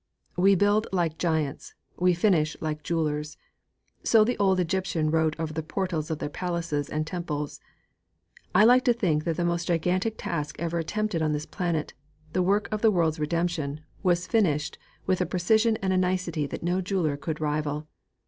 VI 'We Build Like Giants; we Finish Like Jewelers!' so the old Egyptians wrote over the portals of their palaces and temples. I like to think that the most gigantic task ever attempted on this planet the work of the world's redemption was finished with a precision and a nicety that no jeweler could rival.